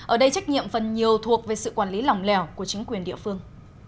ở đây trách nhiệm phần nhiều thuộc về sự quản lý lòng lèo của chính quyền địa phương